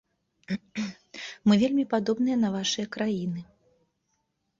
Мы вельмі падобныя на вашыя краіны.